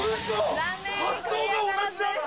発想が同じですか？